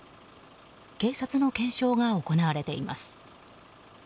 警察の検証が行われています。